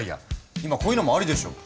今こういうのもありでしょ。